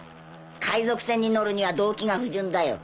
海賊船に乗るには動機が不純だよ。